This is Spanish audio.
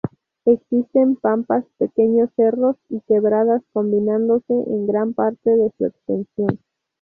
Existen pampas, pequeños cerros y quebradas, combinándose en gran parte de su extensión.